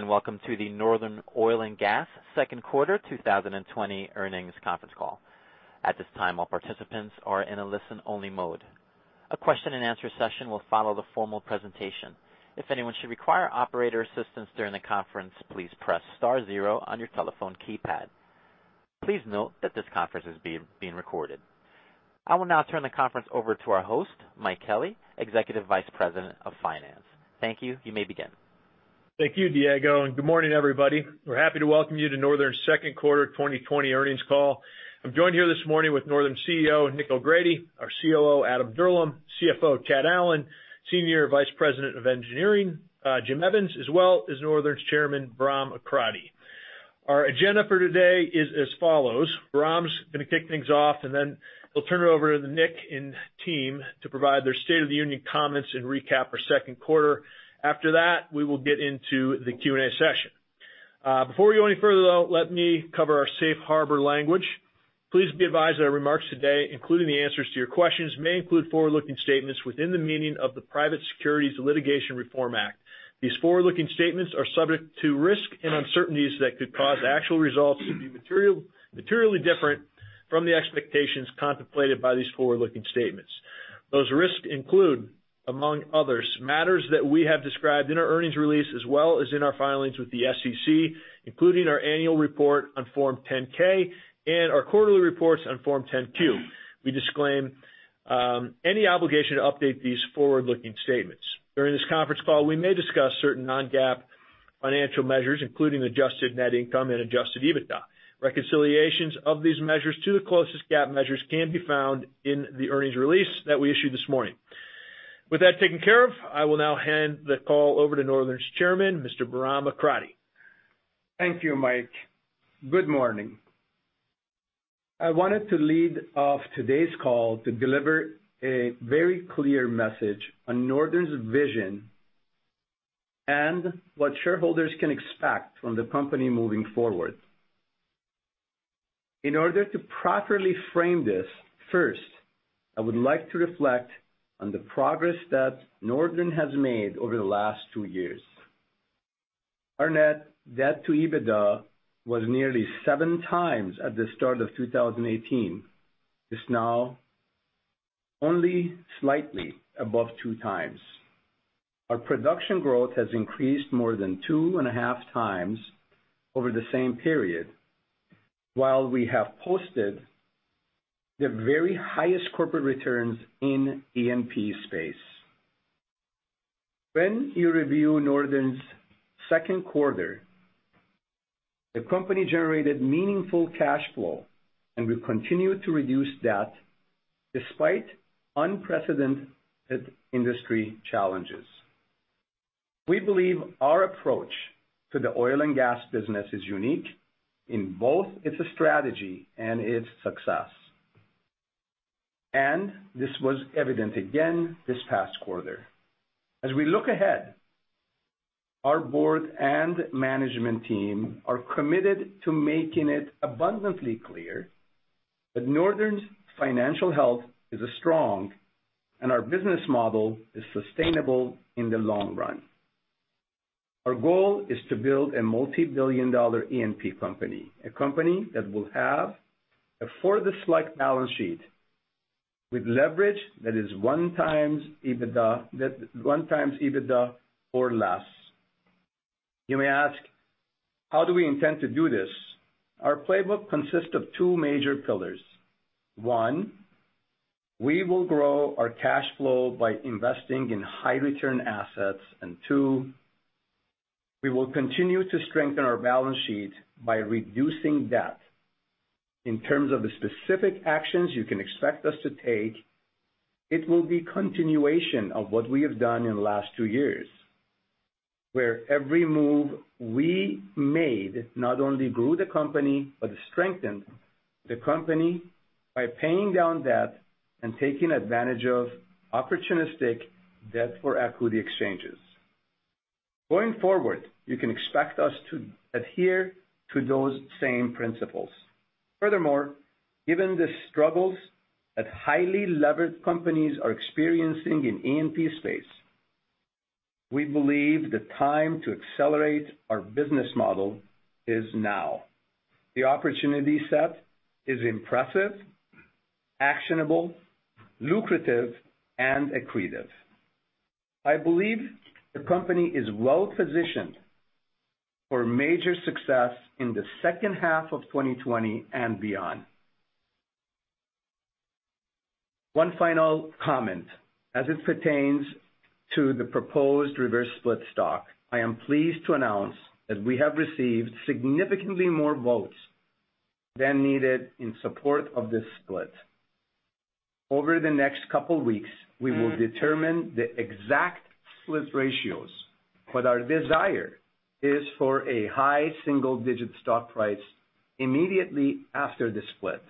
Welcome to the Northern Oil and Gas Second Quarter 2020 Earnings Conference Call. At this time, all participants are in a listen-only mode. A question and answer session will follow the formal presentation. If anyone should require operator assistance during the conference, please press star zero on your telephone keypad. Please note that this conference is being recorded. I will now turn the conference over to our host, Mike Kelly, Executive Vice President of Finance. Thank you. You may begin. Thank you, Diego. Good morning, everybody. We're happy to welcome you to Northern's second quarter 2020 earnings call. I'm joined here this morning with Northern's CEO, Nick O'Grady; our COO, Adam Dirlam; CFO, Chad Allen; Senior Vice President of Engineering, Jim Evans; as well as Northern's Chairman, Bahram Akradi. Our agenda for today is as follows: Bahram's going to kick things off, and then he'll turn it over to Nick and team to provide their state-of-the-union comments and recap for second quarter. After that, we will get into the Q&A session. Before we go any further, though, let me cover our safe harbor language. Please be advised that our remarks today, including the answers to your questions, may include forward-looking statements within the meaning of the Private Securities Litigation Reform Act. These forward-looking statements are subject to risk and uncertainties that could cause actual results to be materially different from the expectations contemplated by these forward-looking statements. Those risks include, among others, matters that we have described in our earnings release as well as in our filings with the SEC, including our annual report on Form 10-K and our quarterly reports on Form 10-Q. We disclaim any obligation to update these forward-looking statements. During this conference call, we may discuss certain non-GAAP financial measures, including adjusted net income and adjusted EBITDA. Reconciliations of these measures to the closest GAAP measures can be found in the earnings release that we issued this morning. With that taken care of, I will now hand the call over to Northern's Chairman, Mr. Bahram Akradi. Thank you, Mike. Good morning. I wanted to lead off today's call to deliver a very clear message on Northern's vision and what shareholders can expect from the company moving forward. In order to properly frame this, first, I would like to reflect on the progress that Northern has made over the last two years. Our net debt to EBITDA was nearly seven times at the start of 2018. It's now only slightly above two times. Our production growth has increased more than two and a half times over the same period, while we have posted the very highest corporate returns in E&P space. When you review Northern's second quarter, the company generated meaningful cash flow, and we continue to reduce debt despite unprecedented industry challenges. We believe our approach to the oil and gas business is unique in both its strategy and its success, and this was evident again this past quarter. As we look ahead, our Board and management team are committed to making it abundantly clear that Northern's financial health is strong and our business model is sustainable in the long run. Our goal is to build a multi-billion dollar E&P company, a company that will have a [fortress-like] balance sheet with leverage that is 1x EBITDA or less. You may ask, how do we intend to do this? Our playbook consists of two major pillars. One, we will grow our cash flow by investing in high-return assets. Two, we will continue to strengthen our balance sheet by reducing debt. In terms of the specific actions you can expect us to take, it will be continuation of what we have done in the last two years, where every move we made not only grew the company but strengthened the company by paying down debt and taking advantage of opportunistic debt-for-equity exchanges. Going forward, you can expect us to adhere to those same principles. Furthermore, given the struggles that highly leveraged companies are experiencing in E&P space, we believe the time to accelerate our business model is now. The opportunity set is impressive, actionable, lucrative, and accretive. I believe the company is well-positioned for major success in the second half of 2020 and beyond. One final comment. As it pertains to the proposed reverse split stock, I am pleased to announce that we have received significantly more votes than needed in support of this split. Over the next couple of weeks, we will determine the exact split ratios, but our desire is for a high single-digit stock price immediately after the split.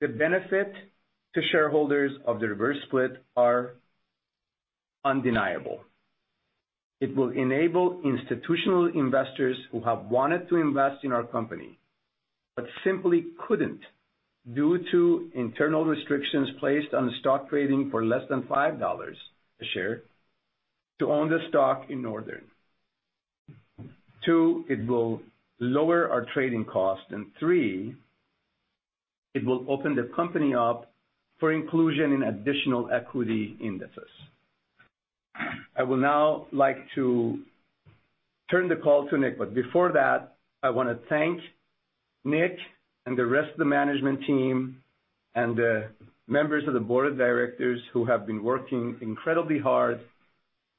The benefits to shareholders of the reverse split are undeniable. It will enable institutional investors who have wanted to invest in our company but simply couldn't due to internal restrictions placed on the stock trading for less than $5 a share to own the stock in Northern. Two, it will lower our trading cost. Three, it will open the company up for inclusion in additional equity indices. I will now like to turn the call to Nick, but before that, I want to thank Nick and the rest of the management team and the members of the Board of Directors who have been working incredibly hard,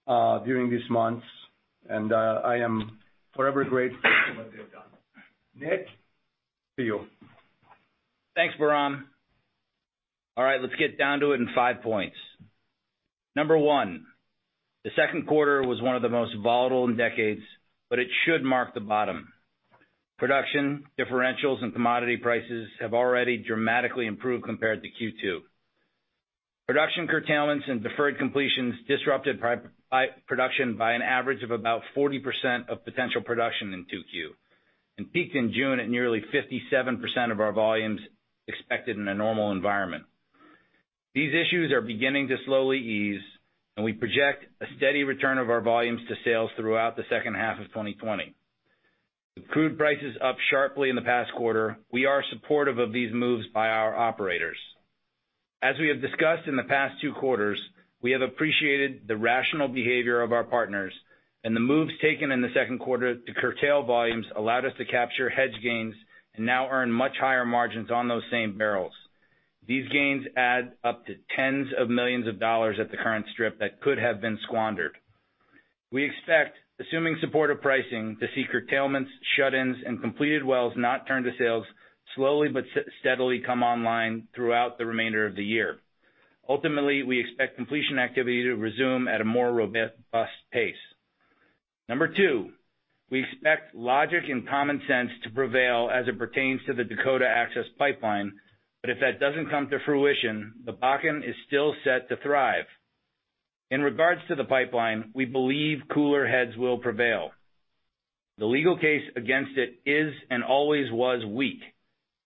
during these months. I am forever grateful for what they've done. Nick, to you. Thanks, Bahram. All right. Let's get down to it in five points. Number one, the second quarter was one of the most volatile in decades, but it should mark the bottom. Production, differentials, and commodity prices have already dramatically improved compared to Q2. Production curtailments and deferred completions disrupted production by an average of about 40% of potential production in Q2 and peaked in June at nearly 57% of our volumes expected in a normal environment. These issues are beginning to slowly ease, and we project a steady return of our volumes to sales throughout the second half of 2020. With crude prices up sharply in the past quarter, we are supportive of these moves by our operators. As we have discussed in the past two quarters, we have appreciated the rational behavior of our partners, and the moves taken in the second quarter to curtail volumes allowed us to capture hedge gains and now earn much higher margins on those same barrels. These gains add up to tens of millions of dollars at the current strip that could have been squandered. We expect, assuming supportive pricing, to see curtailments, shut-ins, and completed wells not turned to sales slowly but steadily come online throughout the remainder of the year. Ultimately, we expect completion activity to resume at a more robust pace. Number two, we expect logic and common sense to prevail as it pertains to the Dakota Access Pipeline, but if that doesn't come to fruition, the Bakken is still set to thrive. In regards to the pipeline, we believe cooler heads will prevail. The legal case against it is and always was weak,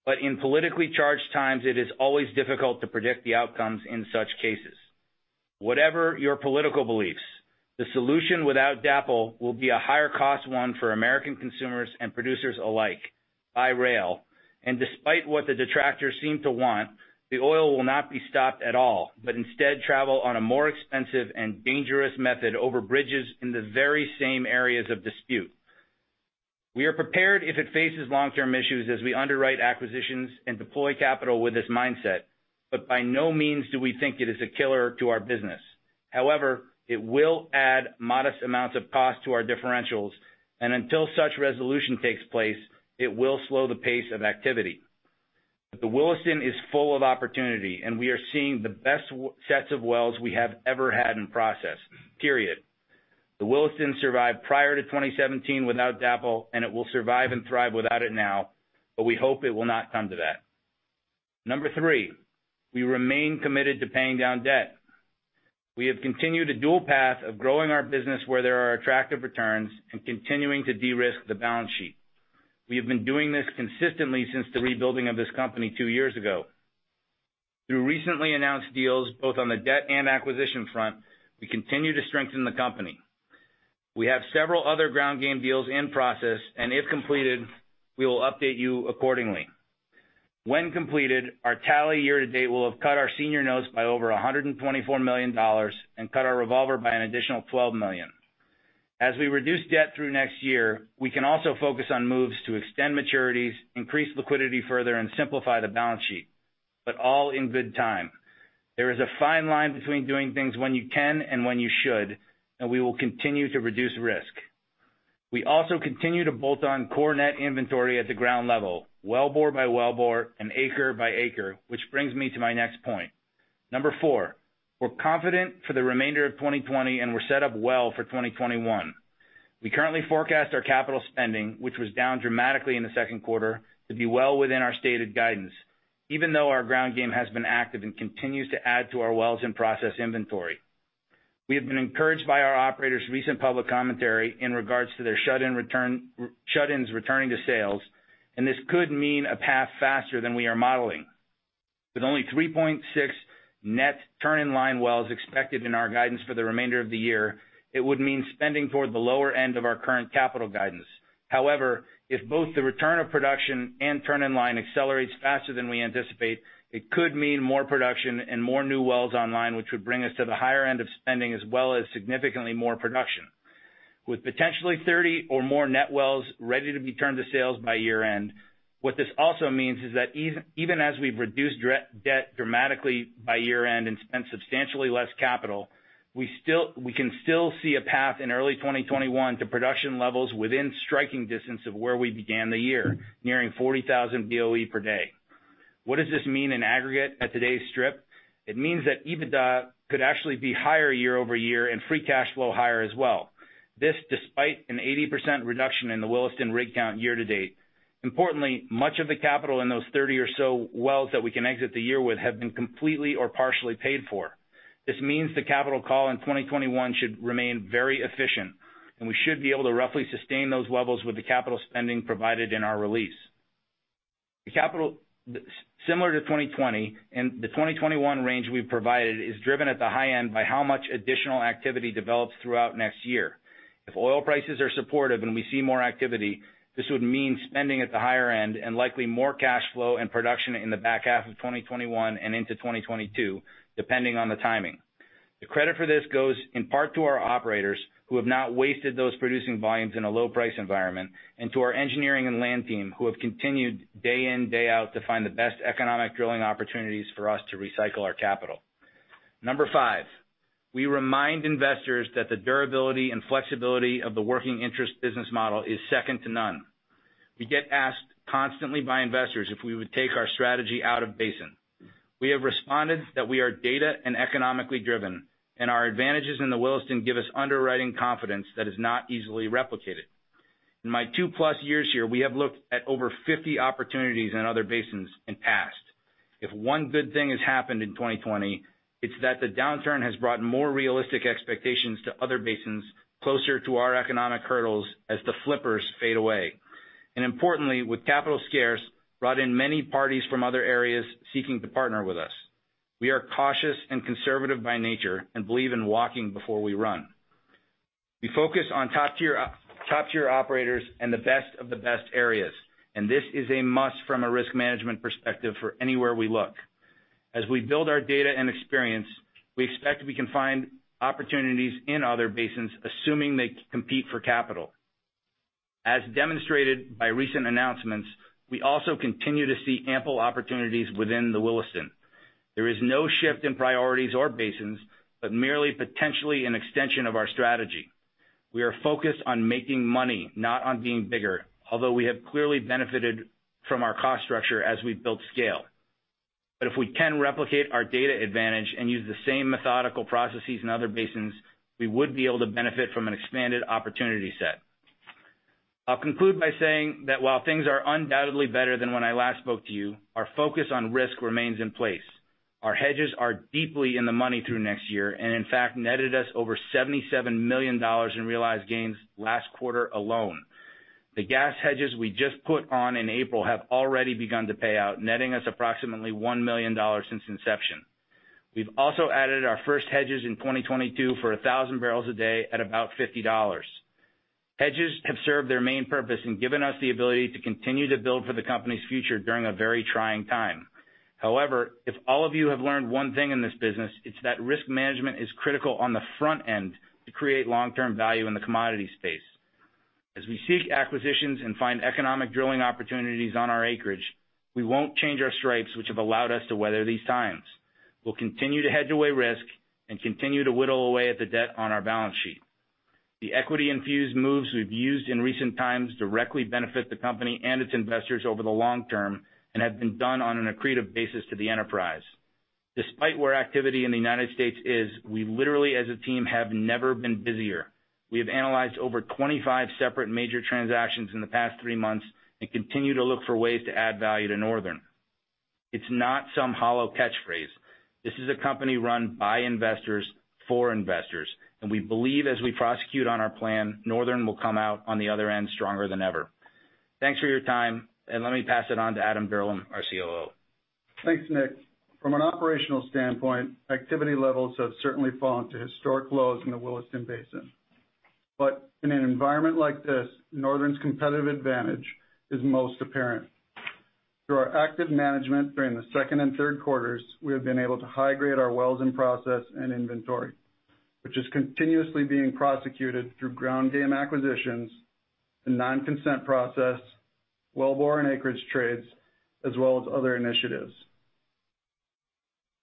but in politically charged times, it is always difficult to predict the outcomes in such cases. Whatever your political beliefs, the solution without DAPL will be a higher-cost one for American consumers and producers alike, by rail. Despite what the detractors seem to want, the oil will not be stopped at all but instead travel on a more expensive and dangerous method over bridges in the very same areas of dispute. We are prepared if it faces long-term issues as we underwrite acquisitions and deploy capital with this mindset, but by no means do we think it is a killer to our business. However, it will add modest amounts of cost to our differentials, and until such resolution takes place, it will slow the pace of activity. The Williston is full of opportunity, and we are seeing the best new sets of wells we have ever had in process, period. The Williston survived prior to 2017 without DAPL, and it will survive and thrive without it now, but we hope it will not come to that. Number three- we remain committed to paying down debt. We have continued a dual path of growing our business where there are attractive returns and continuing to de-risk the balance sheet. We have been doing this consistently since the rebuilding of this company two years ago. Through recently announced deals, both on the debt and acquisition front, we continue to strengthen the company. We have several other ground-game deals in process, and if completed, we will update you accordingly. When completed, our tally year-to-date will have cut our senior notes by over $124 million and cut our revolver by an additional $12 million. As we reduce debt through next year, we can also focus on moves to extend maturities, increase liquidity further, and simplify the balance sheet, but all in good time. There is a fine line between doing things when you can and when you should, and we will continue to reduce risk. We also continue to bolt on core net inventory at the ground level, well bore by well bore and acre by acre, which brings me to my next point. Number four, we're confident for the remainder of 2020, and we're set up well for 2021. We currently forecast our capital spending, which was down dramatically in the second quarter, to be well within our stated guidance, even though our ground-game has been active and continues to add to our wells-in-process inventory. We have been encouraged by our operators' recent public commentary in regards to their shut-ins returning to sales, and this could mean a path faster than we are modeling. With only 3.6 net turn-in-line wells expected in our guidance for the remainder of the year, it would mean spending toward the lower end of our current capital guidance. If both the return of production and turn-in-line accelerates faster than we anticipate, it could mean more production and more new wells online, which would bring us to the higher end of spending as well as significantly more production. With potentially 30 or more net wells ready to be turned to sales by year-end, what this also means is that even as we've reduced debt dramatically by year-end and spent substantially less capital, we can still see a path in early 2021 to production levels within striking distance of where we began the year, nearing 40,000 BOE per day. What does this mean in aggregate at today's strip? It means that EBITDA could actually be higher year-over-year and free cash flow higher as well- this despite an 80% reduction in the Williston rig count year-to-date. Importantly, much of the capital in those 30 or so wells that we can exit the year with have been completely or partially paid for. This means the capital call in 2021 should remain very efficient, and we should be able to roughly sustain those levels with the capital spending provided in our release. The capital is similar to 2020, and the 2021 range we've provided is driven at the high end by how much additional activity develops throughout next year. If oil prices are supportive and we see more activity, this would mean spending at the higher end and likely more cash flow and production in the back half of 2021 and into 2022, depending on the timing. The credit for this goes in part to our operators, who have not wasted those producing volumes in a low-price environment, and to our engineering and land team, who have continued day in, day out to find the best economic drilling opportunities for us to recycle our capital. Number five, we remind investors that the durability and flexibility of the working interest business model is second to none. We get asked constantly by investors if we would take our strategy out of basin. We have responded that we are data and economically driven, and our advantages in the Williston give us underwriting confidence that is not easily replicated. In my two-plus years here, we have looked at over 50 opportunities in other basins in the past. If one good thing has happened in 2020, it's that the downturn has brought more realistic expectations to other basins closer to our economic hurdles as the flippers fade away. Importantly, with capital scarce brought in many parties from other areas seeking to partner with us. We are cautious and conservative by nature and believe in walking before we run. We focus on top-tier operators and the best of the best areas. This is a must from a risk management perspective for anywhere we look. As we build our data and experience, we expect we can find opportunities in other basins, assuming they compete for capital. As demonstrated by recent announcements, we also continue to see ample opportunities within the Williston. There is no shift in priorities or basins, merely potentially an extension of our strategy. We are focused on making money, not on being bigger, although we have clearly benefited from our cost structure as we've built scale. If we can replicate our data advantage and use the same methodical processes in other basins, we would be able to benefit from an expanded opportunity set. I'll conclude by saying that while things are undoubtedly better than when I last spoke to you, our focus on risk remains in place. Our hedges are deeply in the money through next year and, in fact, netted us over $77 million in realized gains last quarter alone. The gas hedges we just put on in April have already begun to pay out, netting us approximately $1 million since inception. We've also added our first hedges in 2022 for 1,000 barrels a day at about $50. Hedges have served their main purpose and given us the ability to continue to build for the company's future during a very trying time. If all of you have learned one thing in this business, it's that risk management is critical on the front end to create long-term value in the commodity space. As we seek acquisitions and find economic drilling opportunities on our acreage, we won't change our stripes, which have allowed us to weather these times. We'll continue to hedge away risk and continue to whittle away at the debt on our balance sheet. The equity-infused moves we've used in recent times directly benefit the company and its investors over the long term and have been done on an accretive basis to the enterprise. Despite where activity in the U.S. is, we literally, as a team, have never been busier. We have analyzed over 25 separate major transactions in the past three months and continue to look for ways to add value to Northern. It's not some hollow catchphrase. This is a company run by investors, for investors, and we believe, as we prosecute on our plan, Northern will come out on the other end stronger than ever. Thanks for your time, and let me pass it on to Adam Dirlam, our COO. Thanks, Nick. From an operational standpoint, activity levels have certainly fallen to historic lows in the Williston Basin. In an environment like this, Northern's competitive advantage is most apparent. Through our active management during the second and third quarters, we have been able to high-grade our wells-in-process and inventory, which is continuously being prosecuted through ground-game acquisitions, the non-consent process, well-bore and acreage trades, as well as other initiatives.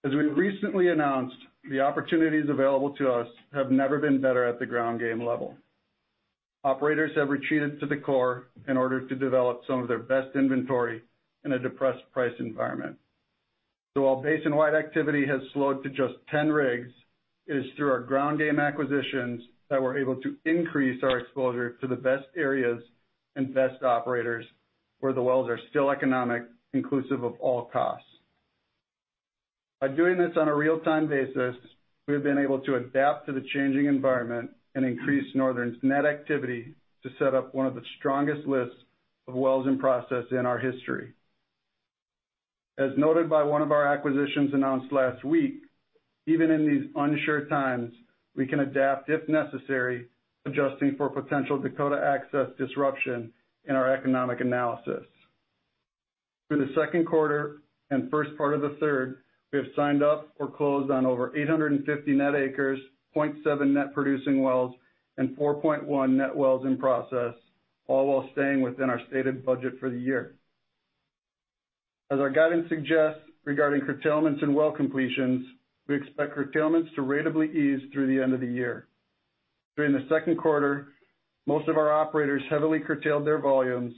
As we've recently announced, the opportunities available to us have never been better at the ground-game level. Operators have retreated to the core in order to develop some of their best inventory in a depressed price environment. While basin-wide activity has slowed to just 10 rigs, it is through our ground-game acquisitions that we're able to increase our exposure to the best areas and best operators where the wells are still economic, inclusive of all costs. By doing this on a real-time basis, we have been able to adapt to the changing environment and increase Northern's net activity to set up one of the strongest lists of wells-in-process in our history. As noted by one of our acquisitions announced last week, even in these unsure times, we can adapt, if necessary, adjusting for potential Dakota Access disruption in our economic analysis. Through the second quarter and first part of the third, we have signed up or closed on over 850 net acres, 0.7 net producing wells, and 4.1 net wells-in-process, all while staying within our stated budget for the year. As our guidance suggests regarding curtailments and well completions, we expect curtailments to ratably ease through the end of the year. During the second quarter, most of our operators heavily curtailed their volumes,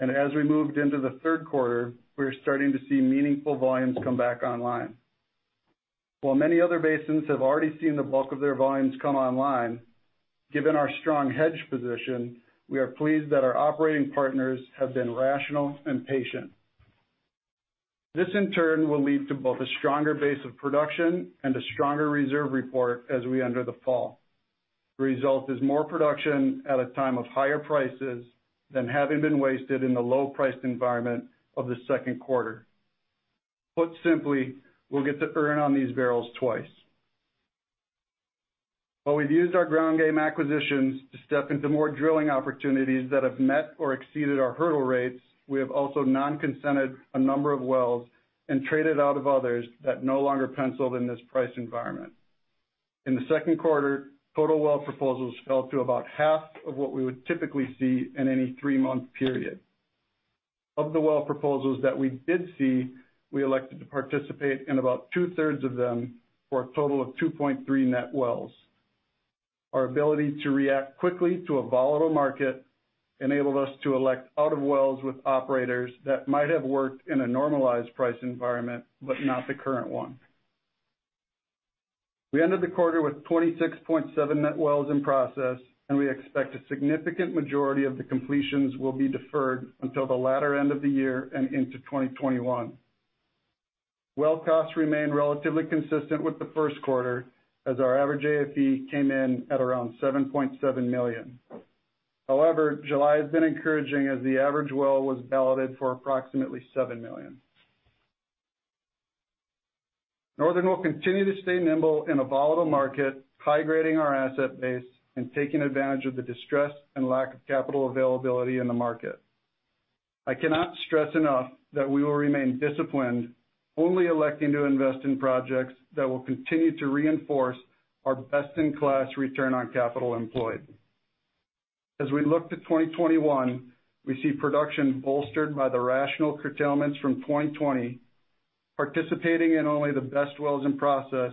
and as we moved into the third quarter, we are starting to see meaningful volumes come back online. While many other basins have already seen the bulk of their volumes come online, given our strong hedge position, we are pleased that our operating partners have been rational and patient. This, in turn, will lead to both a stronger base of production and a stronger reserve report as we enter the fall. The result is more production at a time of higher prices than having been wasted in the low-priced environment of the second quarter. Put simply, we'll get to earn on these barrels twice. While we've used our ground-game acquisitions to step into more drilling opportunities that have met or exceeded our hurdle rates, we have also non-consented a number of wells and traded out of others that no longer penciled in this price environment. In the second quarter, total well proposals fell to about half of what we would typically see in any three-month period. Of the well proposals that we did see, we elected to participate in about two-thirds of them for a total of 2.3 net wells. Our ability to react quickly to a volatile market enabled us to elect out-of-wells with operators that might have worked in a normalized price environment but not the current one. We ended the quarter with 26.7 net wells-in-process, and we expect a significant majority of the completions will be deferred until the latter end of the year and into 2021. Costs remain relatively consistent with the first quarter, as our average AFE came in at around $7.7 million. However, July has been encouraging as the average well was balloted for approximately $7 million. Northern will continue to stay nimble in a volatile market, high-grading our asset base and taking advantage of the distress and lack of capital availability in the market. I cannot stress enough that we will remain disciplined, only electing to invest in projects that will continue to reinforce our best-in-class return on capital employed. As we look to 2021, we see production bolstered by the rational curtailments from 2020, participating in only the best wells-in-process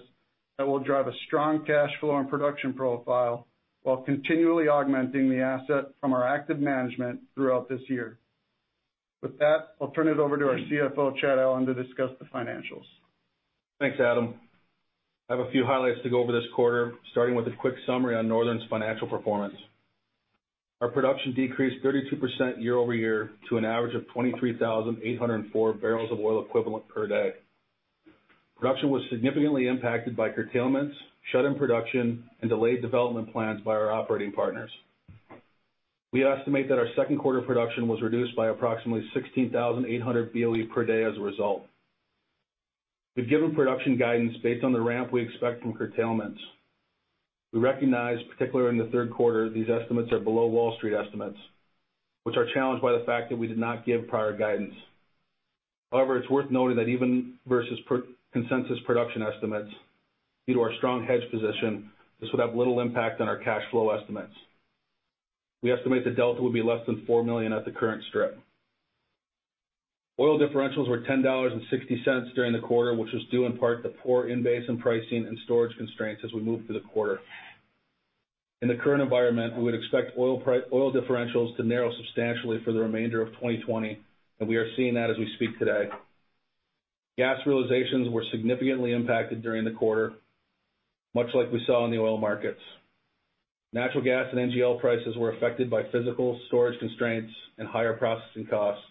that will drive a strong cash flow and production profile while continually augmenting the asset from our active management throughout this year. With that, I'll turn it over to our CFO, Chad Allen, to discuss the financials. Thanks, Adam. I have a few highlights to go over this quarter, starting with a quick summary on Northern's financial performance. Our production decreased 32% year-over-year to an average of 23,804 barrels of oil equivalent per day. Production was significantly impacted by curtailments, shut-in production, and delayed development plans by our operating partners. We estimate that our second quarter production was reduced by approximately 16,800 BOE per day as a result. We've given production guidance based on the ramp we expect from curtailments. We recognize, particularly in the third quarter, these estimates are below Wall Street estimates, which are challenged by the fact that we did not give prior guidance. It's worth noting that even versus consensus production estimates, due to our strong hedge position, this would have little impact on our cash flow estimates. We estimate the delta would be less than $4 million at the current strip. Oil differentials were $10.60 during the quarter, which was due in part to poor in-basin pricing and storage constraints as we moved through the quarter. In the current environment, we would expect oil differentials to narrow substantially for the remainder of 2020, and we are seeing that as we speak today. Gas realizations were significantly impacted during the quarter, much like we saw in the oil markets. Natural gas and NGL prices were affected by physical storage constraints and higher processing costs,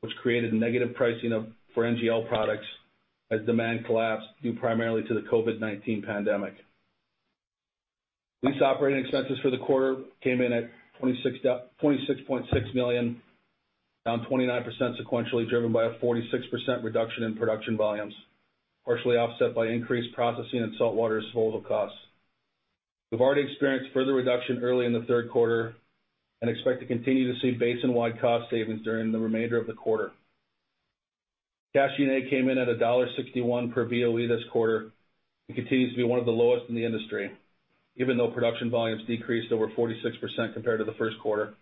which created negative pricing for NGL products as demand collapsed due primarily to the COVID-19 pandemic. Lease operating expenses for the quarter came in at $26.6 million, down 29% sequentially, driven by a 46% reduction in production volumes, partially offset by increased processing and saltwater disposal costs. We've already experienced further reduction early in the third quarter and expect to continue to see basin-wide cost savings during the remainder of the quarter. Cash G&A came in at $1.61 per BOE this quarter and continues to be one of the lowest in the industry, even though production volumes decreased over 46% compared to the first quarter.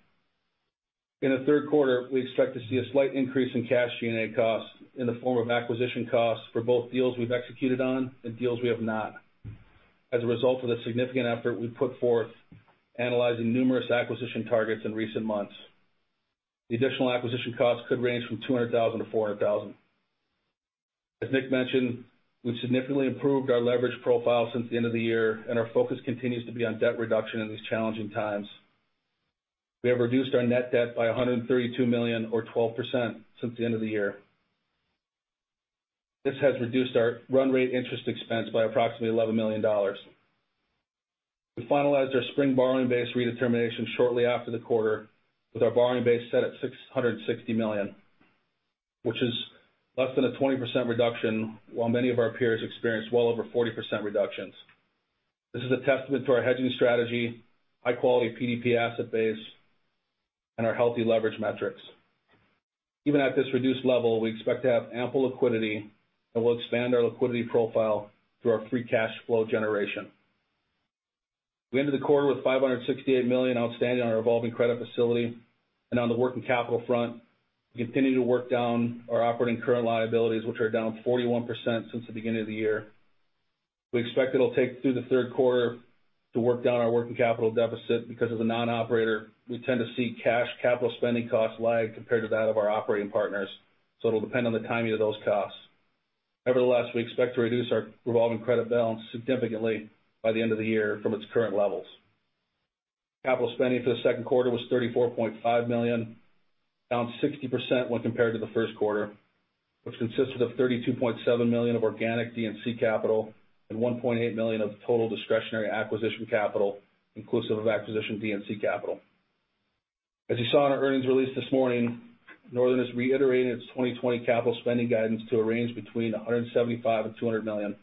In the third quarter, we expect to see a slight increase in cash G&A costs in the form of acquisition costs for both deals we've executed on and deals we have not. As a result of the significant effort we've put forth analyzing numerous acquisition targets in recent months, the additional acquisition costs could range from $200,000-$400,000. As Nick mentioned, we've significantly improved our leverage profile since the end of the year. Our focus continues to be on debt reduction in these challenging times. We have reduced our net debt by $132 million, or 12%, since the end of the year. This has reduced our run-rate interest expense by approximately $11 million. We finalized our spring borrowing base redetermination shortly after the quarter, with our borrowing base set at $660 million, which is less than a 20% reduction while many of our peers experienced well over 40% reductions. This is a testament to our hedging strategy, high-quality PDP asset base, and our healthy leverage metrics. Even at this reduced level, we expect to have ample liquidity, and we'll expand our liquidity profile through our free cash flow generation. We ended the quarter with $568 million outstanding on our revolving credit facility, and on the working capital front, we continue to work down our operating current liabilities, which are down 41% since the beginning of the year. We expect it'll take through the third quarter to work down our working capital deficit because, as a non-operator, we tend to see cash capital spending costs lag compared to that of our operating partners, so it'll depend on the timing of those costs. Nevertheless, we expect to reduce our revolving credit balance significantly by the end of the year from its current levels. Capital spending for the second quarter was $34.5 million, down 60% when compared to the first quarter, which consisted of $32.7 million of organic D&C capital and $1.8 million of total discretionary acquisition capital, inclusive of acquisition D&C capital. As you saw in our earnings release this morning, Northern has reiterated its 2020 capital spending guidance to a range between $175 million and $200 million,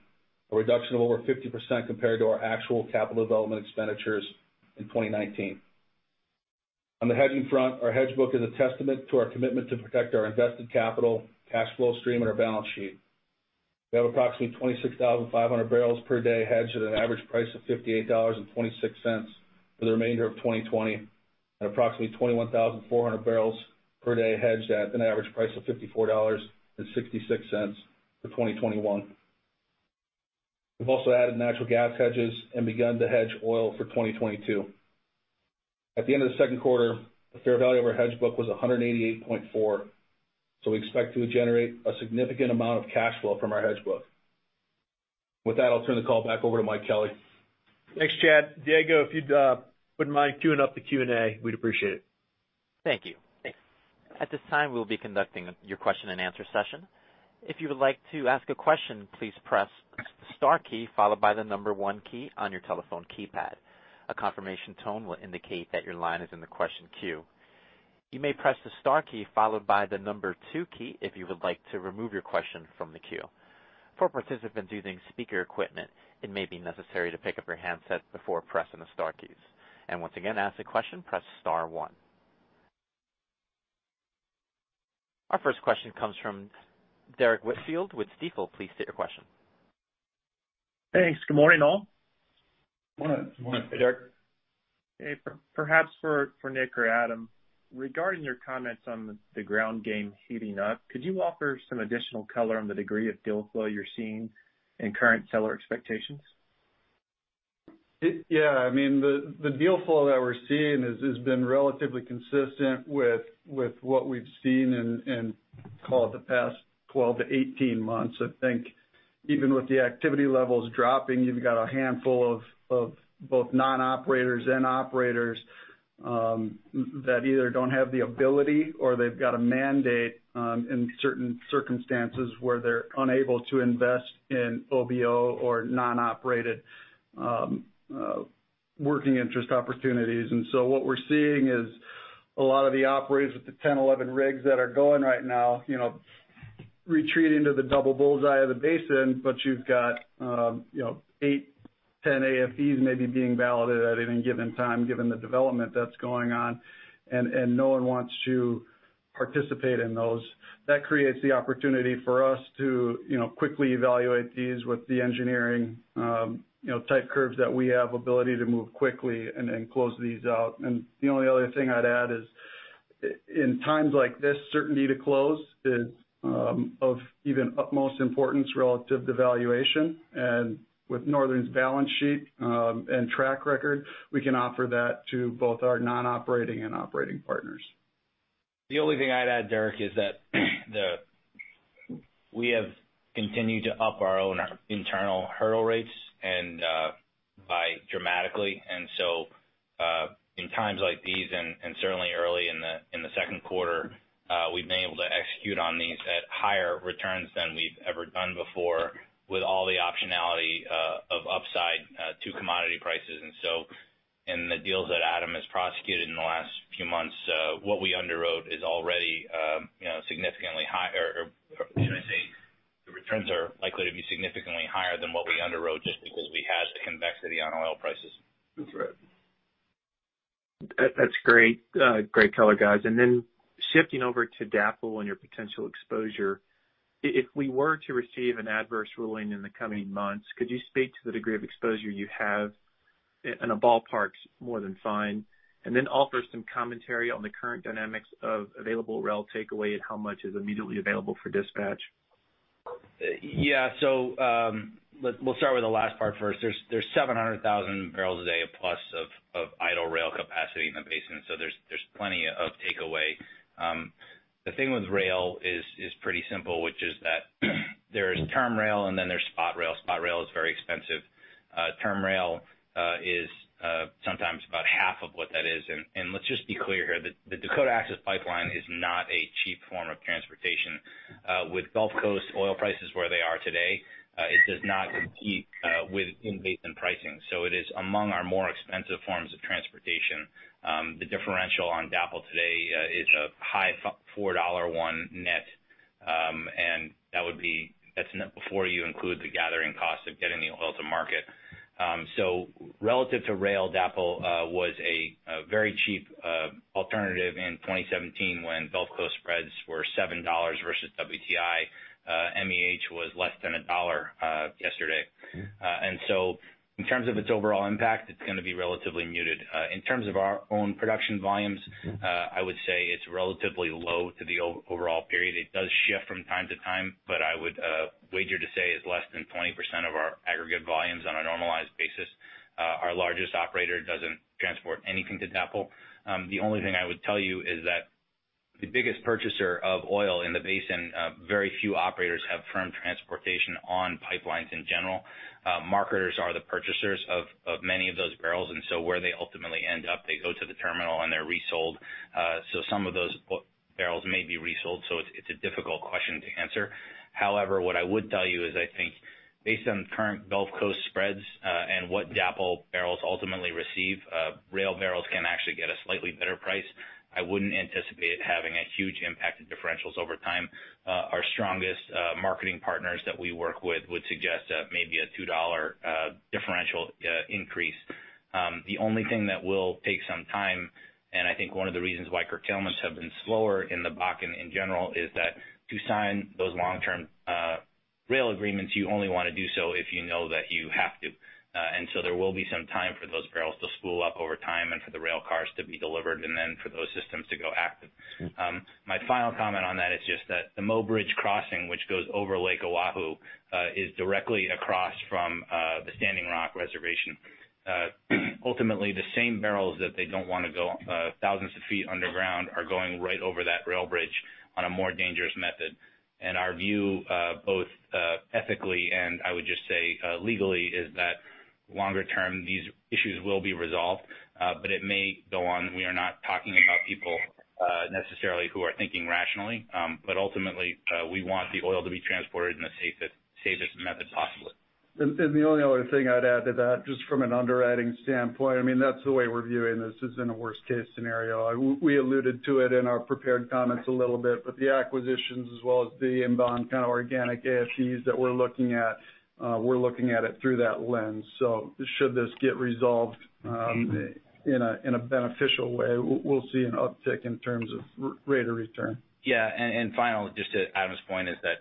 a reduction of over 50% compared to our actual capital development expenditures in 2019. On the hedging front, our hedge book is a testament to our commitment to protect our invested capital, cash flow stream, and our balance sheet. We have approximately 26,500 barrels per day hedged at an average price of $58.26 for the remainder of 2020 and approximately 21,400 barrels per day hedged at an average price of $54.66 for 2021. We've also added natural gas hedges and begun to hedge oil for 2022. At the end of the second quarter, the fair value of our hedge book was 188.4, so we expect to generate a significant amount of cash flow from our hedge book. With that, I'll turn the call back over to Mike Kelly. Thanks, Chad. Diego, if you wouldn't mind queuing up the Q&A, we'd appreciate it. Thank you. At this time, we will be conducting a your question and answer session. If you would like to ask a question, please press the star key followed by the one key on your telephone keypad. A confirmation tone will indicate that your line is in the question queue. You may press the star key followed by the two key if you would like to remove your question from the queue. For participants using speaker equipment, it may be necessary to pick up your handset before pressing the star keys. Once again, to ask a question, press star one. Our first question comes from Derrick Whitfield with Stifel. Please state your question. Thanks. Good morning, all. Good morning. Good morning. Hey, Derrick. Hey. Perhaps for Nick or Adam. Regarding your comments on the ground game heating up, could you offer some additional color on the degree of deal flow you're seeing and current seller expectations? It, yeah- I mean, the deal flow that we're seeing has been relatively consistent with what we've seen in, call it, the past 12 to 18 months. I think even with the activity levels dropping, you've got a handful of both non-operators and operators, that either don't have the ability or they've got a mandate, in certain circumstances where they're unable to invest in OBO or non-operated, working interest opportunities. What we're seeing is a lot of the operators with the 10, 11 rigs that are going right now, you know, retreating to the double bullseye of the basin, but you've got, you know, eight, 10 AFEs maybe being balloted at any given time given the development that's going on, and no one wants to participate in those. That creates the opportunity for us to, you know, quickly evaluate these with the engineering, you know, type curves that we have, ability to move quickly and close these out. The only other thing I'd add is, in times like this, certainty to close is, of even utmost importance relative to valuation. With Northern's balance sheet, and track record, we can offer that to both our non-operating and operating partners. The only thing I'd add, Derrick, is that we have continued to up our own internal hurdle rates and- by dramatically. In times like these and certainly early in the second quarter, we've been able to execute on these at higher returns than we've ever done before with all the optionality, of upside, to commodity prices. In the deals that Adam has prosecuted in the last few months, what we underwrote is already, you know, significantly high or should I say the returns are likely to be significantly higher than what we underwrote just because we had the convexity on oil prices. That's right. That's great color, guys. Then shifting over to DAPL and your potential exposure, if we were to receive an adverse ruling in the coming months, could you speak to the degree of exposure you have- in a ballpark's more than fine and then offer some commentary on the current dynamics of available rail takeaway and how much is immediately available for dispatch? Let's start with the last part first. There's 700,000 barrels a day plus of idle rail capacity in the basin, there's plenty of takeaway. The thing with rail is pretty simple, which is that there's term rail, there's spot rail. Spot rail is very expensive. Term rail is sometimes about half of what that is. Let's just be clear here. The Dakota Access Pipeline is not a cheap form of transportation. With Gulf Coast, oil price is where they are today. It does not compete with in-basin pricing. It is among our more expensive forms of transportation. The differential on DAPL today is a high $4.01 net, that's net before you include the gathering cost of getting the oil to market. Relative to rail, DAPL was a very cheap alternative in 2017 when Gulf Coast spreads were $7 versus WTI. MEH was less than $1 yesterday. In terms of its overall impact, it's going to be relatively muted in terms of our own production volumes. I would say it's relatively low to the overall period. It does shift from time to time, I would wager to say it's less than 20% of our aggregate volumes on a normalized basis. Our largest operator doesn't transport anything to DAPL. The only thing I would tell you is that the biggest purchaser of oil in the basin, very few operators have firm transportation on pipelines in general. Marketers are the purchasers of many of those barrels, where they ultimately end up, they go to the terminal, they're resold. Some of those oil barrels may be resold, it's a difficult question to answer. However, what I would tell you is I think based on current Gulf Coast spreads, what DAPL barrels ultimately receive, rail barrels can actually get a slightly better price. I wouldn't anticipate it having a huge impact to differentials over time. Our strongest marketing partners that we work with would suggest maybe a $2 differential increase. The only thing that will take some time, I think one of the reasons why curtailments have been slower in the Bakken in general, is that to sign those long-term rail agreements, you only wanna do so if you know that you have to. There will be some time for those barrels to spool up over time and for the rail cars to be delivered and then for those systems to go active. My final comment on that is just that the Mobridge crossing, which goes over Lake Oahe, is directly across from the Standing Rock Reservation. Ultimately, the same barrels that they don't wanna go thousands of feet underground are going right over that rail bridge on a more dangerous method. Our view, both ethically and I would just say legally, is that longer term these issues will be resolved, but it may go on. We are not talking about people necessarily who are thinking rationally. Ultimately, we want the oil to be transported in the safest method possible. The only other thing I'd add to that just from an underwriting standpoint, I mean, that's the way we're viewing this. This isn't a worst-case scenario. We alluded to it in our prepared comments a little bit, but the acquisitions as well as the inbound kind of organic AFEs that we're looking at, we're looking at it through that lens. Should this get resolved, In a beneficial way, we'll see an uptick in terms of rate of return. Final, just to Adam's point, is that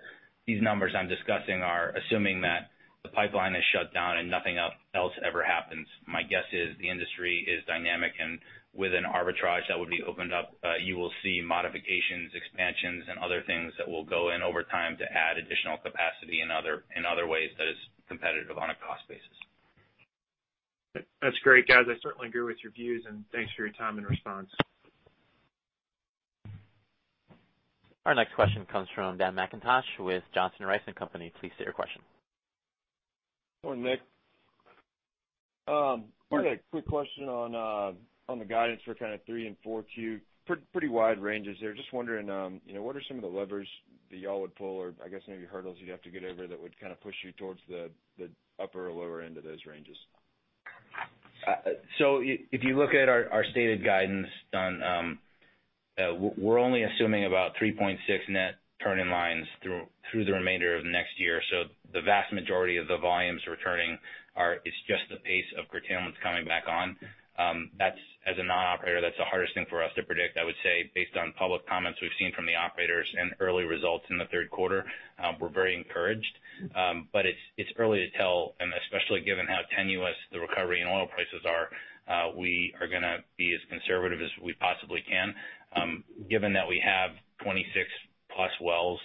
these numbers I'm discussing are assuming that the pipeline is shut down and nothing else ever happens. My guess is the industry is dynamic, and with an arbitrage that would be opened up, you will see modifications, expansions, and other things that will go in over time to add additional capacity in other ways that is competitive on a cost basis. That's great, guys. I certainly agree with your views, and thanks for your time and response. Our next question comes from Dan McIntosh with Johnson Rice & Company. Please state your question. Morning, Nick. Morning. I had a quick question on the guidance for kind of Q3 and Q4. Pretty wide ranges there. Just wondering, you know, what are some of the levers that y'all would pull or, I guess, maybe hurdles you'd have to get over that would kind of push you towards the upper or lower end of those ranges? If you look at our stated guidance on, we're only assuming about 3.6 net turning lines through the remainder of next year. The vast majority of the volumes returning are it's just the pace of curtailments coming back on. That's as a non-operator, that's the hardest thing for us to predict, I would say, based on public comments we've seen from the operators and early results in the third quarter, we're very encouraged. It's early to tell, and especially given how tenuous the recovery in oil prices are, we are gonna be as conservative as we possibly can. Given that we have 26-plus wells,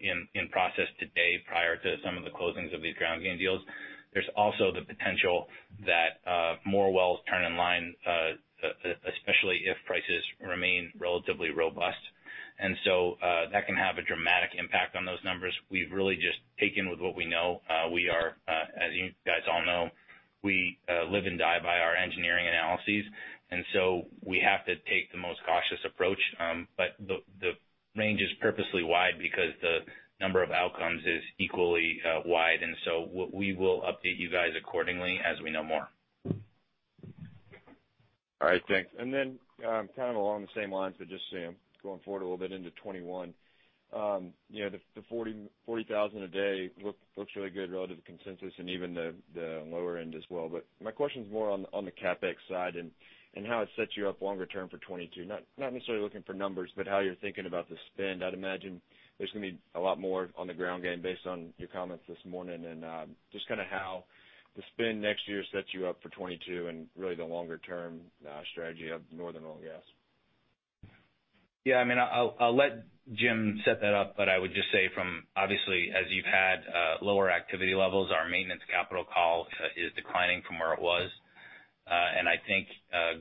in process today prior to some of the closings of these ground game deals, there's also the potential that, more wells turn in line, especially if prices remain relatively robust. That can have a dramatic impact on those numbers. We've really just taken with what we know. We are, as you guys all know, we live and die by our engineering analyses. We have to take the most cautious approach, but the range is purposely wide because the number of outcomes is equally wide. We will update you guys accordingly as we know more. All right. Thanks. Kind of along the same lines, just, you know, going forward a little bit into 2021, you know, the 40,000 a day looks really good relative to consensus and even the lower end as well. My question's more on the CapEx side and how it sets you up longer term for 2022- not necessarily looking for numbers, but how you're thinking about the spend. I'd imagine there's gonna be a lot more on the ground game based on your comments this morning, just kinda how the spend next year sets you up for 2022 and really the longer term strategy of Northern Oil and Gas. Yeah. I mean, I'll let Jim set that up. I would just say from obviously, as you've had, lower activity levels, our maintenance capital call, is declining from where it was. I think,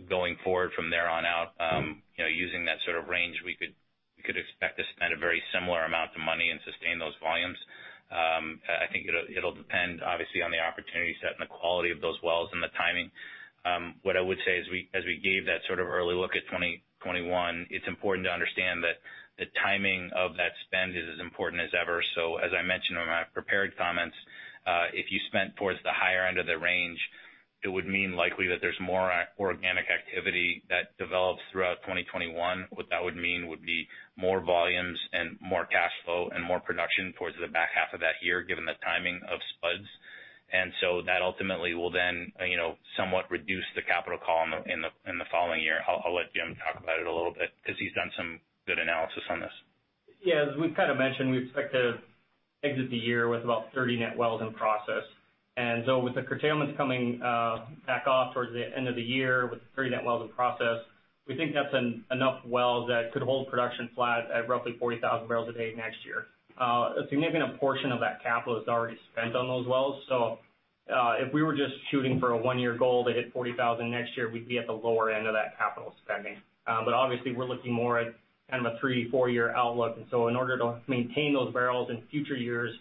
going forward from there on out. You know, using that sort of range, we could expect to spend a very similar amount of money and sustain those volumes. I think it'll depend obviously on the opportunity set and the quality of those wells and the timing. What I would say is we gave that sort of early look at 2021, it's important to understand that the timing of that spend is as important as ever. As I mentioned in my prepared comments, if you spent towards the higher end of the range, it would mean likely that there's more organic activity that develops throughout 2021. What that would mean would be more volumes and more cash flow and more production towards the back half of that year given the timing of spuds. That ultimately will then, you know, somewhat reduce the capital call in the following year. I'll let Jim talk about it a little bit 'cause he's done some good analysis on this. Yeah. As we've kinda mentioned, we expect to exit the year with about 30 net wells in process. With the curtailments coming back off towards the end of the year with 30 net wells in process, we think that's enough wells that could hold production flat at roughly 40,000 barrels a day next year. A significant portion of that capital is already spent on those wells. If we were just shooting for a one-year goal to hit 40,000 next year, we'd be at the lower end of that capital spending. Obviously, we're looking more at kind of a three, four-year outlook. In order to maintain those barrels in future years,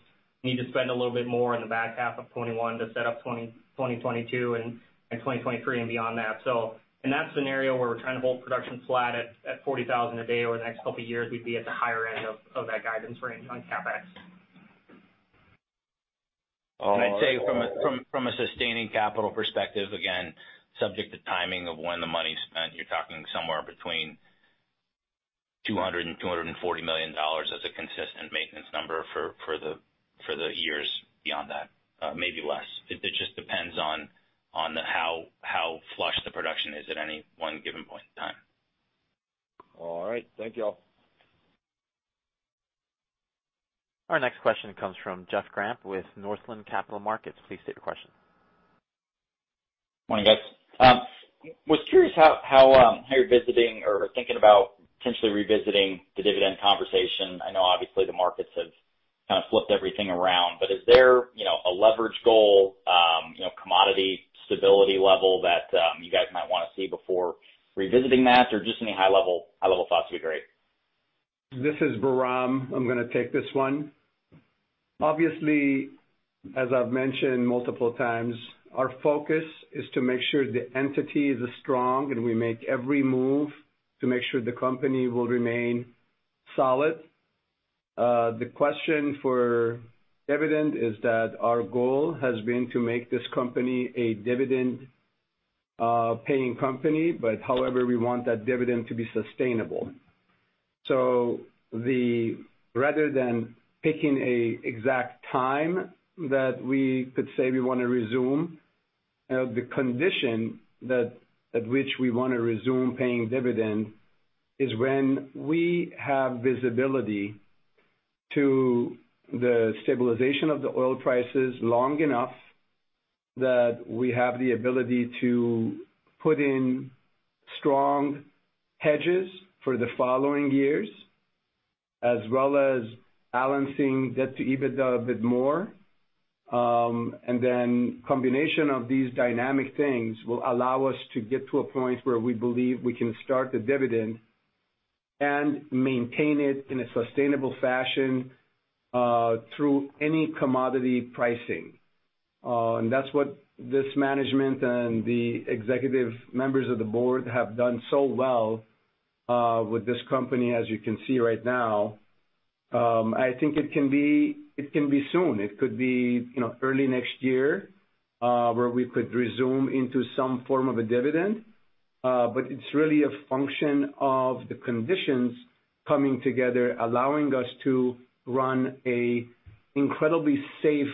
we need to spend a little bit more in the back half of 2021 to set up 2022 and 2023 and beyond that. In that scenario where we're trying to hold production flat at 40,000 a day over the next couple of years, we'd be at the higher end of that guidance range on CapEx. Oh... Can I say from a sustaining capital perspective, again, subject to timing of when the money's spent, you're talking somewhere between $200 million-$240 million as a consistent maintenance number for the years beyond that, maybe less. It just depends on the how flush the production is at any one given point in time. All right. Thank y'all. Our next question comes from Jeff Grampp with Northland Capital Markets. Please state your question. Morning, guys. Was curious how you're visiting or thinking about potentially revisiting the dividend conversation- I know obviously, the markets have kinda flipped everything around, but is there, you know, a leverage goal, you know, commodity stability level that, you guys might wanna see before revisiting that, or just any high-level thoughts would be great. This is Bahram. I'm gonna take this one. Obviously, as I've mentioned multiple times, our focus is to make sure the entity is strong and we make every move to make sure the company will remain solid. The question for dividend is that our goal has been to make this company a dividend, paying company, but however, we want that dividend to be sustainable. The rather than picking a exact time that we could say we wanna resume, the condition that at which we wanna resume paying dividend is when we have visibility to the stabilization of the oil prices long enough that we have the ability to put in strong hedges for the following years as well as balancing debt to EBITDA a bit more. Combination of these dynamic things will allow us to get to a point where we believe we can start the dividend and maintain it in a sustainable fashion through any commodity pricing. That's what this management and the executive members of the board have done so well with this company, as you can see right now. I think it can be soon. It could be, you know, early next year, where we could resume into some form of a dividend. It's really a function of the conditions coming together, allowing us to run an incredibly safe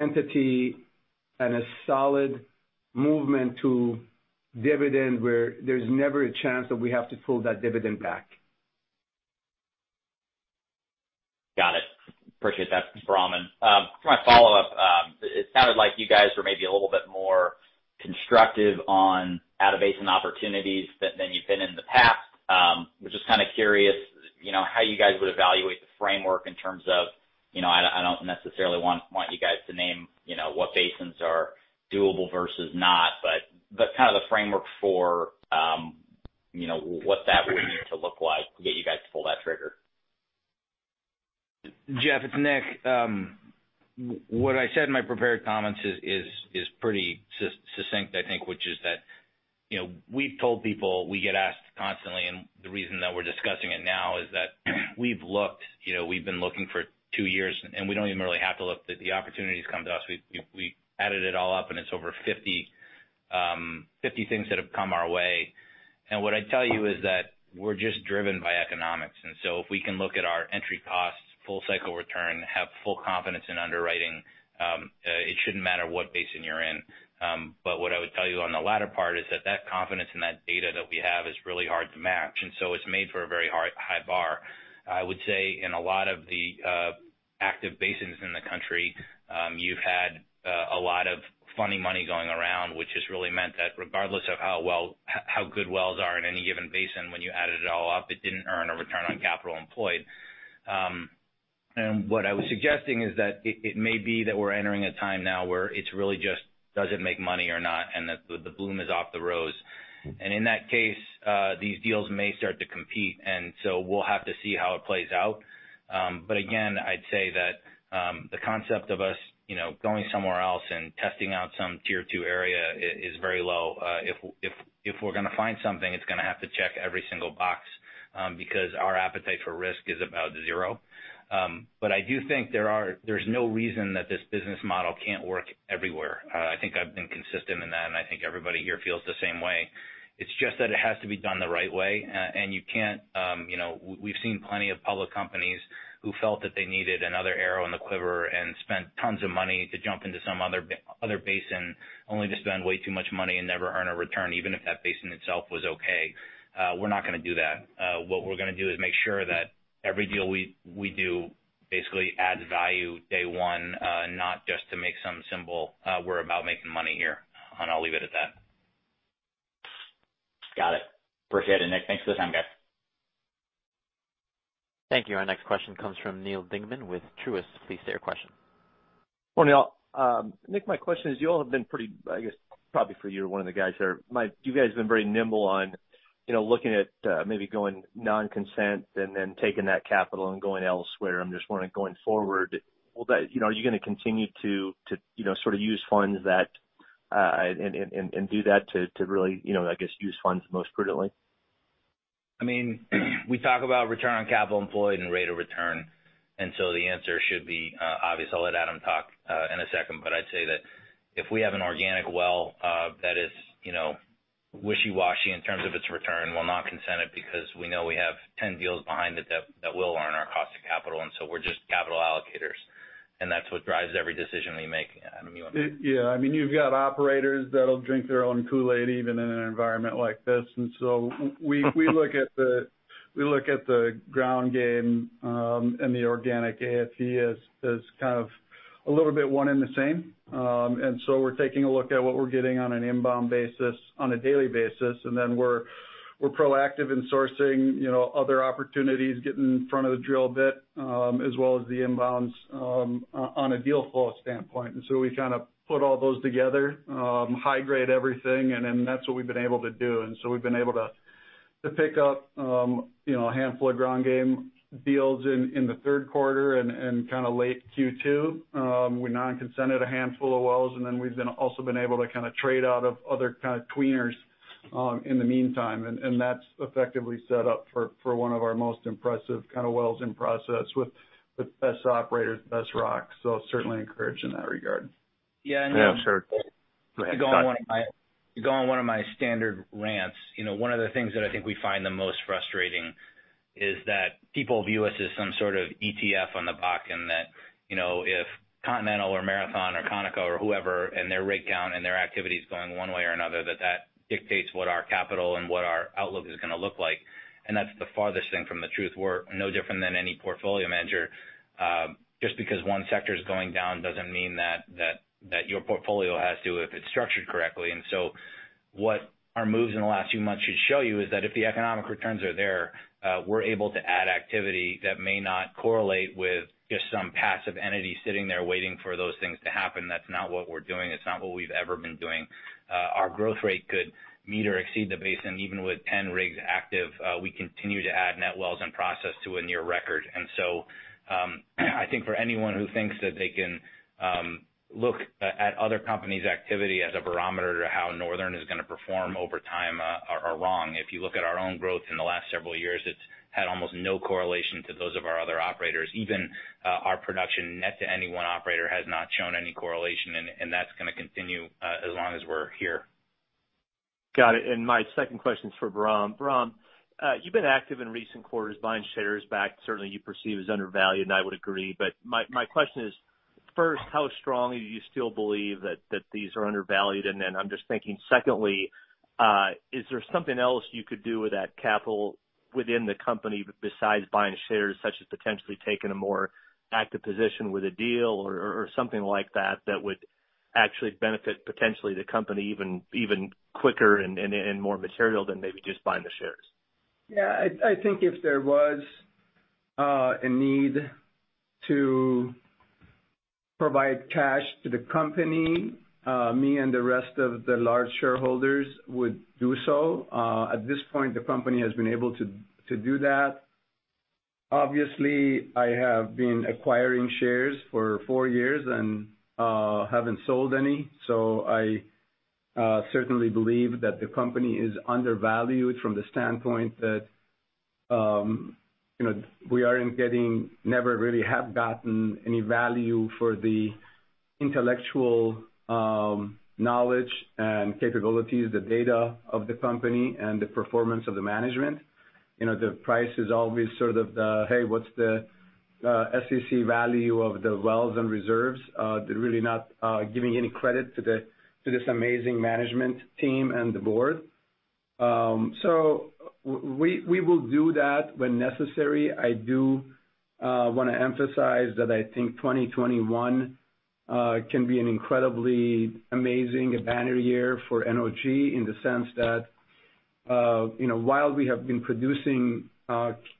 entity and a solid movement to dividend where there's never a chance that we have to pull that dividend back. Got it. Appreciate that, Bahram. For my follow-up, it sounded like you guys were maybe a little bit more constructive on out-of-basin opportunities than you've been in the past. I was just kinda curious, you know, how you guys would evaluate the framework in terms of, you know, I don't necessarily want you guys to name, you know, what basins are doable versus not, but kinda the framework for, you know, what that would need to look like to get you guys to pull that trigger? Jeff, it's Nick. What I said in my prepared comments is pretty succinct, I think, which is that, you know, we've told people we get asked constantly, and the reason that we're discussing it now is that we've looked- you know, we've been looking for two years, and we don't even really have to look that the opportunities come to us. We added it all up, and it's over 50 things that have come our way. What I'd tell you is that we're just driven by economics. If we can look at our entry costs, full-cycle return, have full confidence in underwriting, it shouldn't matter what basin you're in. What I would tell you on the latter part is that that confidence in that data that we have is really hard to match. It's made for a very hard, high bar. I would say in a lot of the active basins in the country, you've had a lot of funny money going around, which has really meant that regardless of how good wells are in any given basin, when you added it all up, it didn't earn a return on capital employed. What I was suggesting is that it may be that we're entering a time now where it really just doesn't make money or not and that the bloom is off the rose. In that case, these deals may start to compete. We'll have to see how it plays out. Again, I'd say that the concept of us, you know, going somewhere else and testing out some tier 2 area is very low. If we're gonna find something, it's gonna have to check every single box, because our appetite for risk is about zero. I do think there's no reason that this business model can't work everywhere. I think I've been consistent in that, and I think everybody here feels the same way. It's just that it has to be done the right way. You can't, you know, we've seen plenty of public companies who felt that they needed another arrow in the quiver and spent tons of money to jump into some other basin only to spend way too much money and never earn a return even if that basin itself was okay. We're not gonna do that. What we're gonna do is make sure that every deal we do basically adds value day one, not just to make some symbol. We're about making money here, and I'll leave it at that. Got it. Appreciate it, Nick. Thanks for the time, guys. Thank you. Our next question comes from Neal Dingmann with Truist. Please state your question. Morning, y'all. Nick, my question is y'all have been pretty I guess probably for you're one of the guys there. My do you guys have been very nimble on, you know, looking at, maybe going non-consent and then taking that capital and going elsewhere? I'm just wondering, going forward, will that, you know, are you gonna continue to, you know, sort of use funds that, and do that to really, you know, I guess, use funds most prudently? I mean, we talk about return on capital employed and rate of return. The answer should be obvious. I'll let Adam talk in a second. I'd say that if we have an organic well that is, you know, wishy-washy in terms of its return, we'll not consent it because we know we have 10 deals behind it that will earn our cost of capital. We're just capital allocators. That's what drives every decision we make. Adam, you wanna? Yeah, I mean, you've got operators that'll drink their own Kool-Aid even in an environment like this. We look at the ground game, and the organic AFE as kind of a little bit one and the same. We're taking a look at what we're getting on an inbound basis, on a daily basis. We're proactive in sourcing, you know, other opportunities, getting in front of the drill a bit, as well as the inbounds, on a deal flow standpoint. We kinda put all those together, high-grade everything, that's what we've been able to do. We've been able to pick up, you know, a handful of ground game deals in the third quarter and kinda late Q2. We non-consented a handful of wells, then we've also been able to kinda trade out of other kinda tweeners, in the meantime. That's effectively set up for one of our most impressive kinda wells in process with best operators, best rocks. Certainly encouraged in that regard. Yeah- Yeah. Sure. Go ahead, Jeff. You go on one of my you go on one of my standard rants. You know, one of the things that I think we find the most frustrating is that people view us as some sort of ETF on the Bakken and that, you know, if Continental or Marathon or Conoco or whoever and their rig count and their activity's going one way or another, that dictates what our capital and what our outlook is gonna look like. That's the farthest thing from the truth. We're no different than any portfolio manager- just because one sector's going down doesn't mean that your portfolio has to if it's structured correctly. What our moves in the last few months should show you is that if the economic returns are there, we're able to add activity that may not correlate with just some passive entity sitting there waiting for those things to happen. That's not what we're doing. It's not what we've ever been doing. Our growth rate could meet or exceed the basin. Even with 10 rigs active, we continue to add net wells in process to a near record. I think for anyone who thinks that they can look at other companies' activity as a barometer to how Northern is gonna perform over time, are wrong. If you look at our own growth in the last several years, it's had almost no correlation to those of our other operators. Even our production net to any one operator has not shown any correlation. That's gonna continue, as long as we're here. Got it. My second question's for Bahram. Bahram, you've been active in recent quarters buying shares back certainly you perceive as undervalued, and I would agree. My question is, first, how strongly do you still believe that these are undervalued? I'm just thinking, secondly, is there something else you could do with that capital within the company besides buying shares such as potentially taking a more active position with a deal or something like that that would actually benefit potentially the company even quicker and more material than maybe just buying the shares? I think if there was a need to provide cash to the company, me and the rest of the large shareholders would do so. At this point, the company has been able to do that. Obviously, I have been acquiring shares for four years and haven't sold any. I certainly believe that the company is undervalued from the standpoint that, you know, we aren't getting never really have gotten any value for the intellectual knowledge and capabilities, the data of the company, and the performance of the management. You know, the price is always sort of the, "Hey, what's the SEC value of the wells and reserves?" They're really not giving any credit to this amazing management team and the board. We will do that when necessary. I do, wanna emphasize that I think 2021, can be an incredibly amazing a banner year for NOG in the sense that, you know, while we have been producing,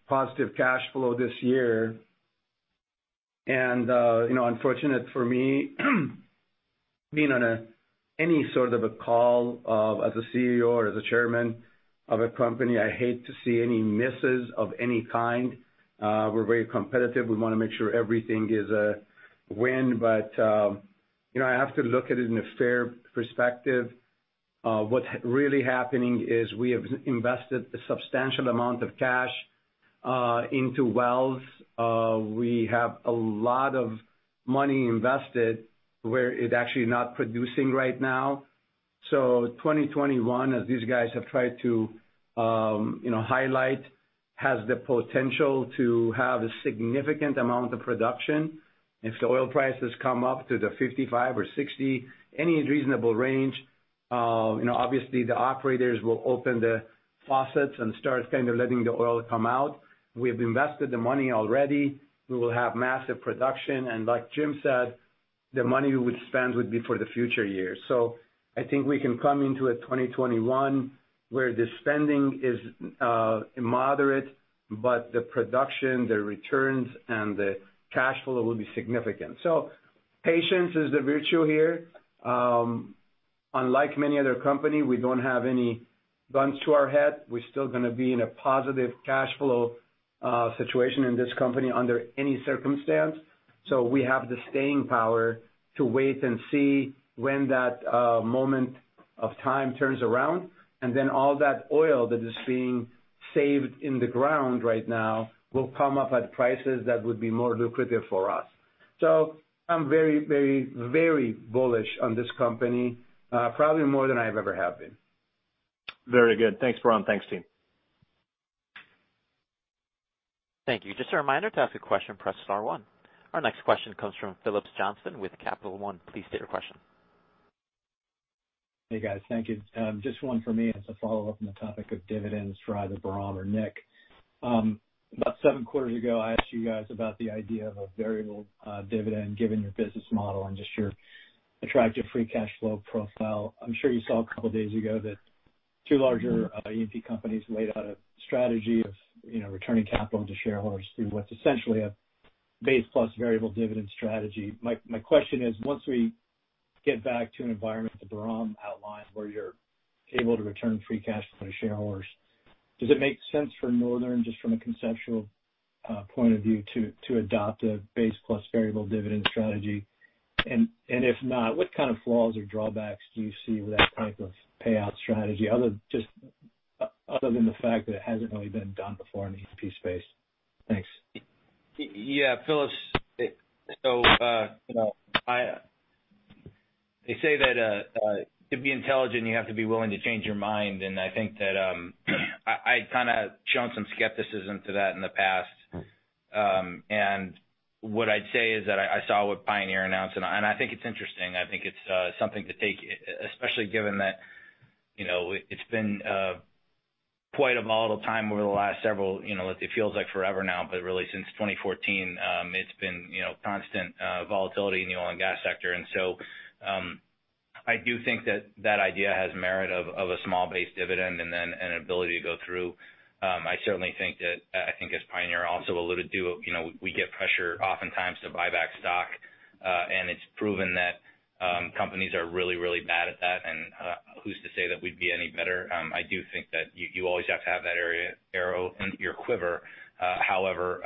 positive cash flow this year and, you know, unfortunate for me being on a any sort of a call, as a CEO or as a Chairman of a company, I hate to see any misses of any kind. We're very competitive. We wanna make sure everything is a win. You know, I have to look at it in a fair perspective. What's really happening is we have invested a substantial amount of cash, into wells. We have a lot of money invested where it actually not producing right now. 2021, as these guys have tried to, you know, highlight, has the potential to have a significant amount of production. If the oil prices come up to the $55 or $60, any reasonable range, you know, obviously, the operators will open the faucets and start kinda letting the oil come out. We've invested the money already. We will have massive production. Like Jim said, the money we would spend would be for the future years. I think we can come into a 2021 where the spending is, moderate, but the production, the returns, and the cash flow will be significant. Patience is the virtue here. Unlike many other companies, we don't have any guns to our head. We're still gonna be in a positive cash flow, situation in this company under any circumstance. We have the staying power to wait and see when that, moment of time turns around. All that oil that is being saved in the ground right now will come up at prices that would be more lucrative for us. I'm very, very, very bullish on this company, probably more than I've ever have been. Very good. Thanks, Bahram. Thanks, team. Thank you. Just a reminder to ask a question, press star one. Our next question comes from Phillips Johnston with Capital One. Please state your question. Hey, guys. Thank you. Just one for me as a follow-up on the topic of dividends for either Bahram or Nick. About seven quarters ago, I asked you guys about the idea of a variable dividend given your business model and just your attractive free cash flow profile. I'm sure you saw a couple days ago that two larger E&P companies laid out a strategy of, you know, returning capital to shareholders through what's essentially a base-plus variable dividend strategy. My question is, once we get back to an environment that Bahram outlined where you're able to return free cash flow to shareholders, does it make sense for Northern- just from a conceptual point of view, to adopt a base-plus variable dividend strategy? If not, what kind of flaws or drawbacks do you see with that type of payout strategy other just other than the fact that it hasn't really been done before in the E&P space? Thanks. Yeah. Phillips, you know- they say that, to be intelligent, you have to be willing to change your mind. I think that, I kinda shown some skepticism to that in the past. What I'd say is that I saw what Pioneer announced. I think it's interesting. I think it's something to take especially given that, you know, it's been quite a volatile time over the last several, you know, it feels like forever now, but really since 2014, it's been, you know, constant volatility in the oil and gas sector. So, I do think that that idea has merit of a small-based dividend and then an ability to go through. I certainly think that I think as Pioneer also alluded to, you know, we get pressure oftentimes to buy back stock. It's proven that companies are really bad at that. Who's to say that we'd be any better? I do think that you always have to have an arrow in your quiver. However,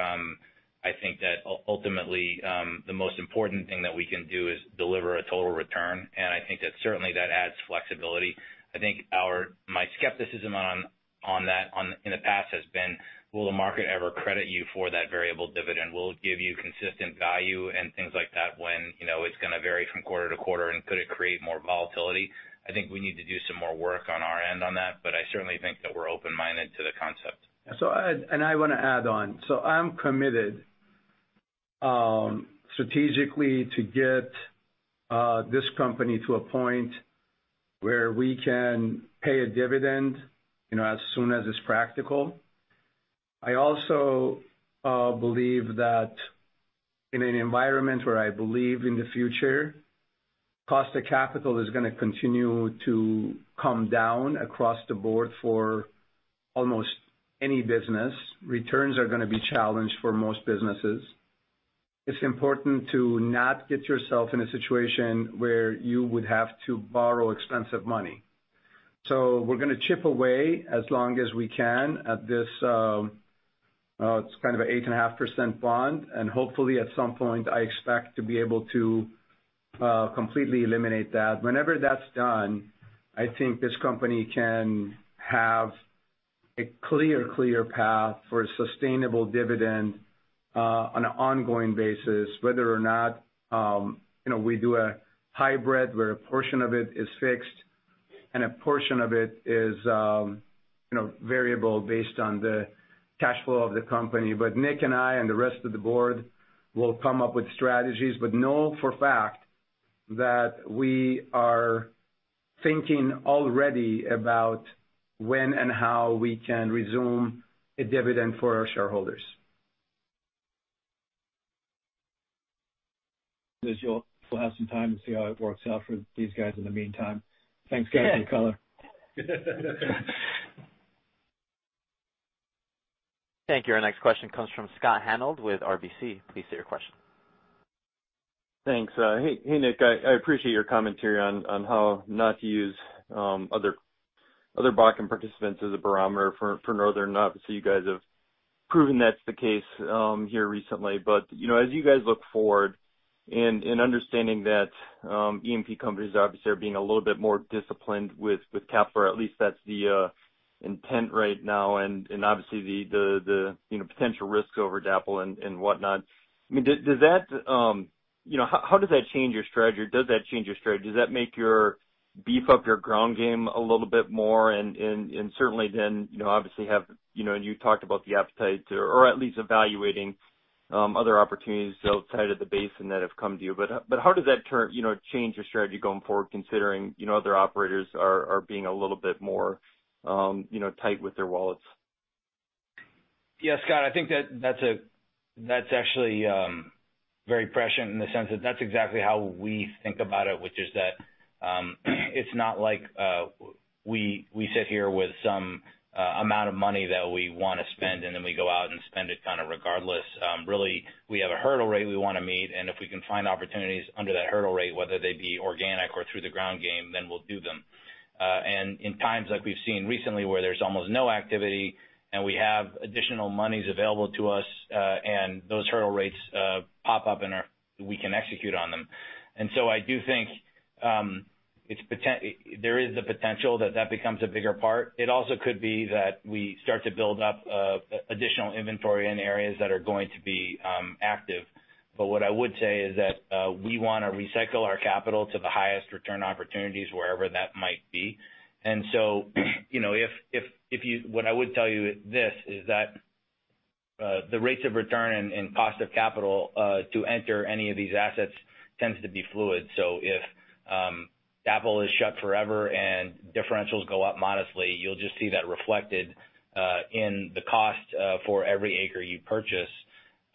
I think that ultimately, the most important thing that we can do is deliver a total return. I think that certainly that adds flexibility. I think my skepticism on that in the past has been, "Will the market ever credit you for that variable dividend? Will it give you consistent value and things like that when, you know, it's gonna vary from quarter-to-quarter? Could it create more volatility?" I think we need to do some more work on our end on that. I certainly think that we're open-minded to the concept. I wanna add on. I'm committed, strategically to get this company to a point where we can pay a dividend, you know, as soon as it's practical. I also believe that in an environment where I believe in the future, cost of capital is gonna continue to come down across the board for almost any business. Returns are gonna be challenged for most businesses. It's important to not get yourself in a situation where you would have to borrow expensive money. We're gonna chip away as long as we can at this, it's kind of a 8.5% bond. Hopefully, at some point, I expect to be able to completely eliminate that. Whenever that's done, I think this company can have a clear path for a sustainable dividend, on an ongoing basis, whether or not, you know, we do a hybrid where a portion of it is fixed and a portion of it is, you know, variable based on the cash flow of the company. Nick and I and the rest of the board will come up with strategies. Know for fact that we are thinking already about when and how we can resume a dividend for our shareholders. As you'll have some time to see how it works out for these guys in the meantime. Thanks, guys, for the color. Thank you. Our next question comes from Scott Hanold with RBC. Please state your question. Thanks. Hey, hey, Nick. I appreciate your commentary on how not to use other Bakken participants as a barometer for Northern. Obviously, you guys have proven that's the case here recently. You know, as you guys look forward and understanding that E&P companies, obviously, are being a little bit more disciplined with capital, or at least that's the intent right now. Obviously, the, you know, potential risk over DAPL and whatnot. I mean, does that, you know, how does that change your strategy? Does that change your strategy? Does that make your beef up your ground game a little bit more and certainly then, you know, obviously have, you know- and you talked about the appetite or at least evaluating other opportunities outside of the basin that have come to you. How does that turn, you know, change your strategy going forward considering, you know, other operators are being a little bit more, you know, tight with their wallets? Yeah, Scott. I think that that's actually very prescient in the sense that that's exactly how we think about it, which is that it's not like we sit here with some amount of money that we wanna spend, and then we go out and spend it kinda regardless. Really, we have a hurdle rate we wanna meet. If we can find opportunities under that hurdle rate, whether they be organic or through the ground game, then we'll do them. In times like we've seen recently where there's almost no activity and we have additional monies available to us, and those hurdle rates pop up and we can execute on them. I do think there is the potential that that becomes a bigger part. It also could be that we start to build up additional inventory in areas that are going to be active. What I would say is that we wanna recycle our capital to the highest return opportunities wherever that might be. You know, if what I would tell you at this is that the rates of return and cost of capital to enter any of these assets tends to be fluid. If DAPL is shut forever and differentials go up modestly, you'll just see that reflected in the cost for every acre you purchase.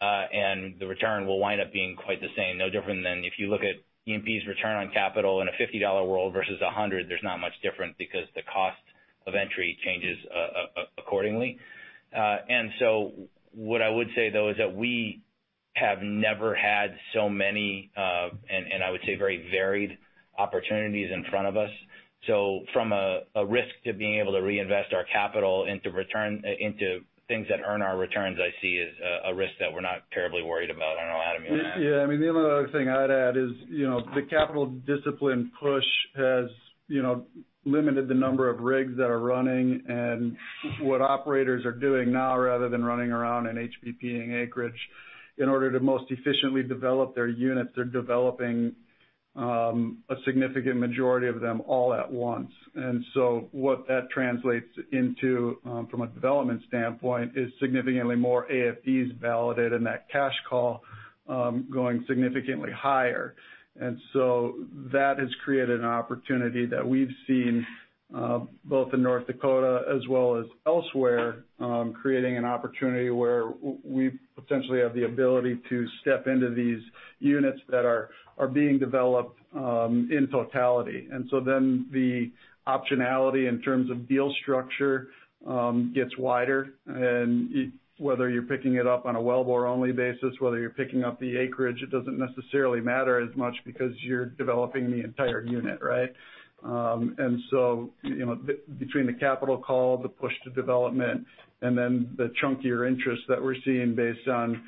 The return will wind up being quite the same, no different than if you look at E&P's return on capital in a $50 world versus $100, there's not much different because the cost of entry changes accordingly. What I would say, though, is that we have never had so many, and I would say very varied opportunities in front of us. From a risk to being able to reinvest our capital into return into things that earn our returns, I see as a risk that we're not terribly worried about. I don't know, Adam, you wanna add? Yeah. I mean, the only other thing I'd add is, you know, the capital discipline push has, you know, limited the number of rigs that are running. What operators are doing now, rather than running around in HBP in acreage in order to most efficiently develop their units, they're developing, a significant majority of them all at once. What that translates into, from a development standpoint is significantly more AFEs validated and that cash call, going significantly higher. That has created an opportunity that we've seen, both in North Dakota as well as elsewhere, creating an opportunity where we potentially have the ability to step into these units that are being developed, in totality. The optionality in terms of deal structure, gets wider- whether you're picking it up on a wellbore-only basis, whether you're picking up the acreage, it doesn't necessarily matter as much because you're developing the entire unit, right? You know, between the capital call, the push to development, and then the chunkier interest that we're seeing based on,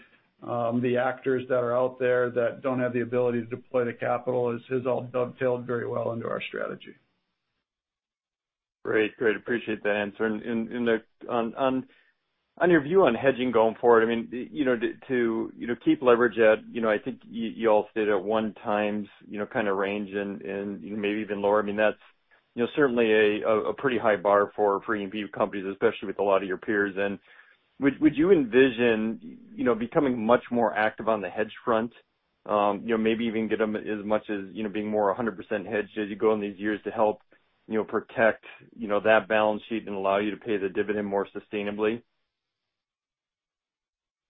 the actors that are out there that don't have the ability to deploy the capital has all dovetailed very well into our strategy. Great. Great. Appreciate that answer. Nick, on your view on hedging going forward, I mean, you know- keep leverage at, I think you all stated at 1x, you know, kinda range and, you know, maybe even lower. I mean, that's, you know, certainly a pretty high bar for E&P companies, especially with a lot of your peers. Would you envision, you know, becoming much more active on the hedge front, you know, maybe even get them as much as, you know, being more 100% hedged as you go in these years to help, you know, protect, you know, that balance sheet and allow you to pay the dividend more sustainably?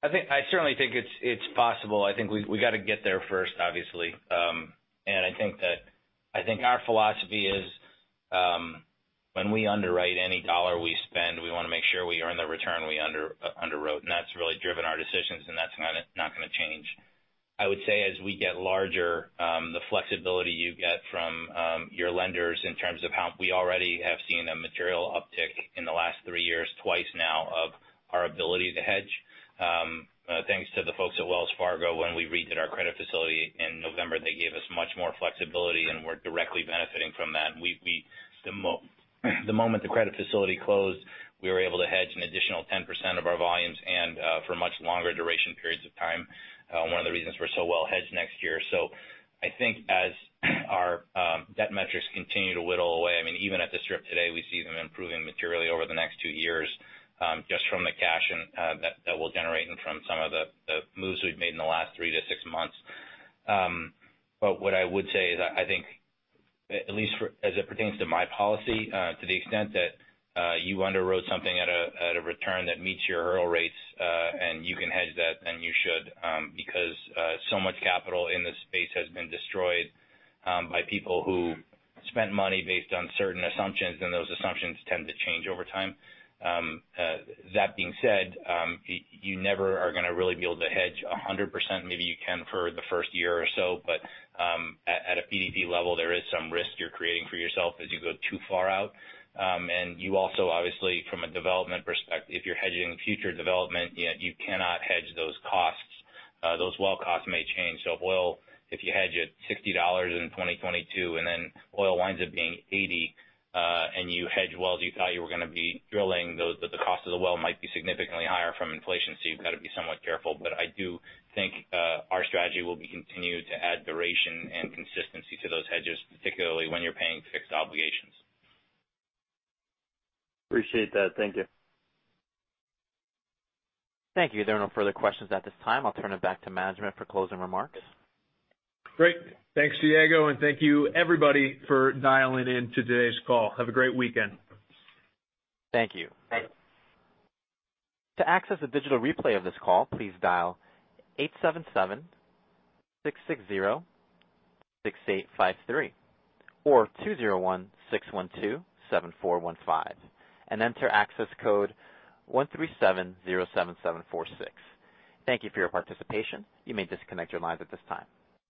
I think I certainly think it's possible. I think we gotta get there first, obviously. I think that I think our philosophy is, when we underwrite any dollar we spend, we wanna make sure we earn the return we underwrote. That's really driven our decisions. That's gonna not gonna change. I would say as we get larger, the flexibility you get from, your lenders in terms of how we already have seen a material uptick in the last three years, twice now, of our ability to hedge. thanks to the folks at Wells Fargo, when we redid our credit facility in November, they gave us much more flexibility. We're directly benefiting from that. We, the moment the credit facility closed, we were able to hedge an additional 10% of our volumes and for much longer duration periods of time, one of the reasons we're so well hedged next year. I think as our debt metrics continue to whittle away I mean, even at the strip today, we see them improving materially over the next two years, just from the cash and that we'll generate and from some of the moves we've made in the last three to six months. But what I would say is I think at least for as it pertains to my policy, to the extent that, you underwrote something at a at a return that meets your hurdle rates, and you can hedge that, then you should, because, so much capital in this space has been destroyed, by people who spent money based on certain assumptions. Those assumptions tend to change over time. That being said, you never are gonna really be able to hedge 100%. Maybe you can for the first year or so. At, at a PDP level, there is some risk you're creating for yourself as you go too far out. You also, obviously, from a development perspective, if you're hedging future development, you cannot hedge those costs. Those well costs may change. If oil if you hedge at $60 in 2022 and then oil winds up being $80, and you hedge wells you thought you were gonna be drilling, though the cost of the well might be significantly higher from inflation- so, you've gotta be somewhat careful. I do think, our strategy will be continue to add duration and consistency to those hedges, particularly when you're paying fixed obligations. Appreciate that. Thank you. Thank you. There are no further questions at this time. I'll turn it back to management for closing remarks. Great. Thanks, Diego. Thank you, everybody, for dialing in to today's call. Have a great weekend. Thank you. Thanks. To access the digital replay of this call, please dial 877-660-6853 or 201-612-7415 and enter access code 13707746. Thank you for your participation. You may disconnect your lines at this time.